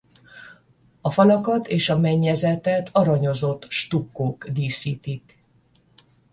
A falakat és a mennyezetet aranyozott stukkók díszítik.